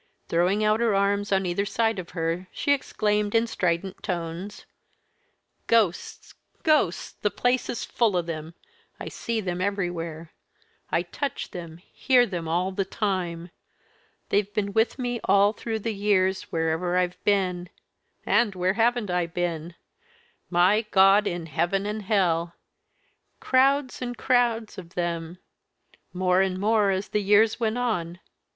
Throwing out her arms on either side of her, she exclaimed in strident tones: "Ghosts! Ghosts! The place is full of them I see them everywhere. I touch them, hear them all the time. They've been with me all through the years, wherever I've been and where haven't I been? My God in heaven and hell! crowds and crowds of them, more and more as the years went on.